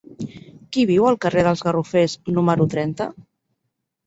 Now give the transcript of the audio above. Qui viu al carrer dels Garrofers número trenta?